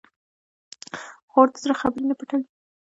خور د زړه خبرې نه پټوي.